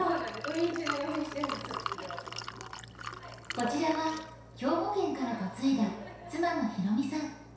こちらは兵庫県から嫁いだ妻の宏実さん。